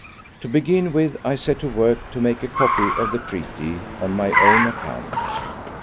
To begin with, I set to work to make a copy of the treaty on my own account.